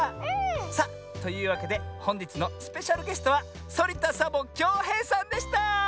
さあというわけでほんじつのスペシャルゲストはそりた・サボ・きょうへいさんでした！